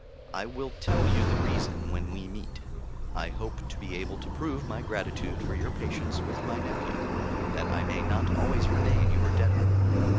I will tell you the reason when we meet. I hope to be able to prove my gratitude for your patience with my nephew, that I may not always remain your debtor.